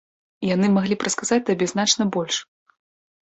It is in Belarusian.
Яны маглі б расказаць табе значна больш.